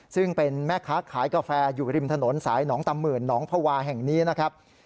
ซึ่งเป็นแม่ค้าขายกาแฟอยู่ริมถนนสายหนองตำหื่นหนองภาวาแห่งนี้นะครับ